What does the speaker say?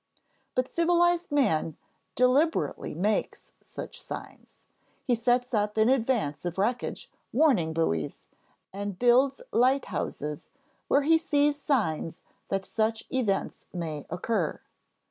But civilized man deliberately makes such signs; he sets up in advance of wreckage warning buoys, and builds lighthouses where he sees signs that such events may occur.